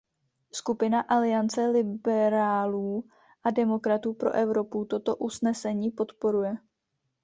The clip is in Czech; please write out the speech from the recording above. Skupina Aliance liberálů a demokratů pro Evropu toto usnesení podporuje.